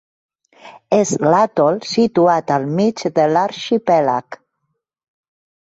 És l'atol situat al mig de l'arxipèlag.